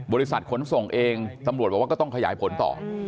บริษัทขนส่งเองตำรวจบอกว่าก็ต้องขยายผลต่อ